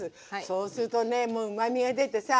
そうするとねうまみが出てさ